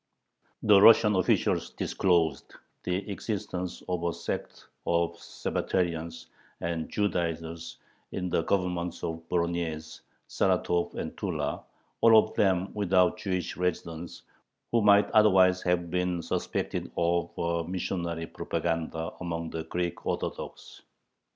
The Russian officials disclosed the existence of a sect of "Sabbatarians" and "Judaizers" in the Governments of Voronyezh, Saratov, and Tula, all of them without Jewish residents, who might otherwise have been suspected of a missionary propaganda among the Greek Orthodox.